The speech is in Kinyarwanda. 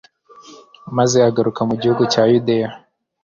maze agaruka mu gihugu cya yudeya